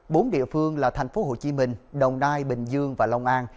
bốn địa phương là thành phố hồ chí minh đồng nai bình dương và long an